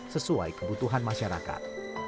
sesuai kebutuhan masyarakat